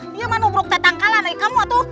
dia menubruk tetangkala naik kamu atu